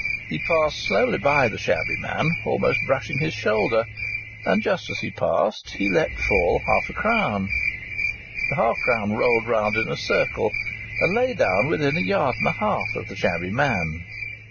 He passed slowly by the shabby man, almost brushing his shoulder; and, just as he passed, he left fall half a crown. The half crown rolled round in a circle and lay down within a yard and a half of the shabby man.